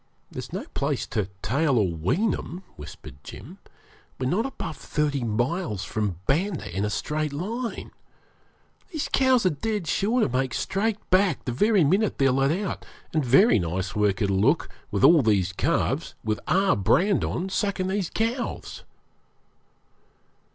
'There's no place to tail or wean 'em,' whispered Jim. 'We're not above thirty miles from Banda in a straight line. These cows are dead sure to make straight back the very minute they're let out, and very nice work it'll look with all these calves with our brand on sucking these cows.'